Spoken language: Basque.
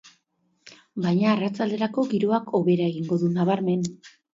Baina arratsalderako giroak hobera egingo du nabarmen.